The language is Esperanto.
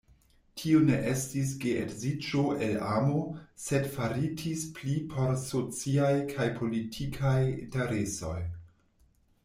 Tio ne estis geedziĝo el amo, sed faritis pli por sociaj kaj politikaj interesoj.